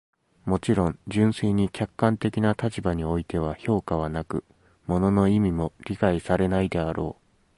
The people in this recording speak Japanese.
もちろん、純粋に客観的な立場においては評価はなく、物の意味も理解されないであろう。